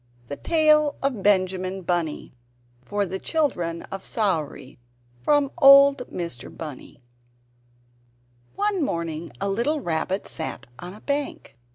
THE TALE OF BENJAMIN BUNNY [For the Children of Sawrey from Old Mr. Bunny] One morning a little rabbit sat on a bank.